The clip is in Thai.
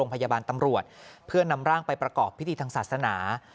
พยาบาลตำรวจเพื่อนำร่างไปประกอบพิธีทางศาสนา